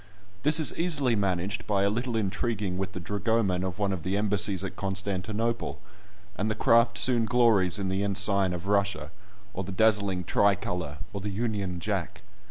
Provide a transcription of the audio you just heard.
This is easily managed by a little intriguing with the dragoman of one of the embassies at Constantinople, and the craft soon glories in the ensign of Russia, or the dazzling Tricolor, or the Union Jack.